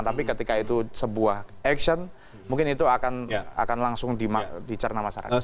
tapi ketika itu sebuah action mungkin itu akan langsung dicerna masyarakat